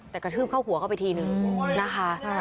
แต่กระทืบเข้าหัวเข้าไปทีนึงนะคะ